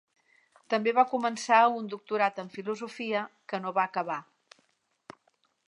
També va començar un doctorat en Filosofia, que no va acabar.